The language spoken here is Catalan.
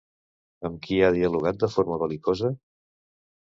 Amb qui ha dialogat de forma bel·licosa?